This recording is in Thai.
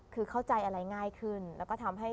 คือเข้าใจอะไรง่ายขึ้นแล้วก็ทำให้